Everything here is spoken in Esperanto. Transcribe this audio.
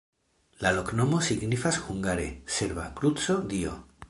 La loknomo signifas hungare: serba-kruco-Dio.